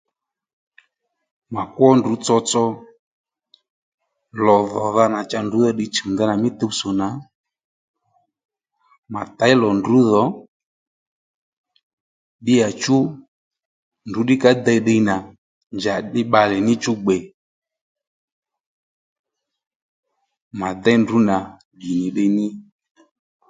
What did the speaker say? Mà kwó ndrǔ tsotso lò dhòdha nà cha ndrǔ vi dhi chùw mí tuwtsò nà mà těy lò ndrǔ dho ddíyà chú ndrǔ ddí ka dey ddiy nà njàddí bbalè níchú gbè mà déy ndrǔ nà ddì nì ddiy nì